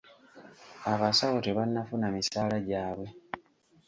Abasawo tebannafuna misaala gyabwe.